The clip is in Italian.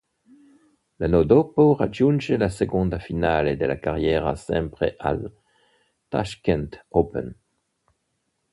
L'anno dopo raggiunge la seconda finale della carriera sempre al Tashkent Open.